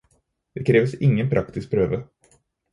Det kreves ingen praktisk prøve.